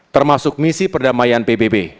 termasuk misi perdamaian pbb